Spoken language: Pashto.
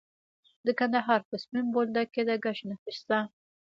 د کندهار په سپین بولدک کې د ګچ نښې شته.